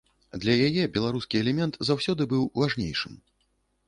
Для яе беларускі элемент заўсёды быў важнейшым.